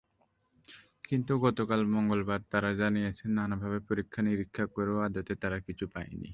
কিন্তু গতকাল মঙ্গলবার তারা জানিয়েছে, নানাভাবে পরীক্ষা-নিরীক্ষা করেও আদতে তারা কিছুই পায়নি।